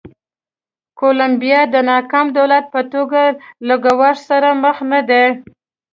کولمبیا د ناکام دولت په توګه له ګواښ سره مخ نه ده.